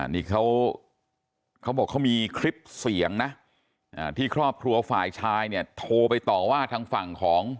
นี่เขาบอกเขามีคลิปเสียงนะที่ครอบครัวฝ่ายชายเนี่ยโทรไปต่อว่าทางฝั่งของ